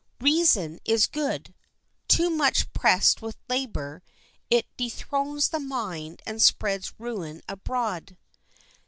Reason is good; too much pressed with labor it dethrones the mind and spreads ruin abroad.